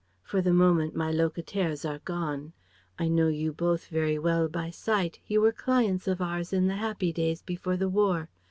For the moment my locataires are gone. I know you both very well by sight, you were clients of ours in the happy days before the War.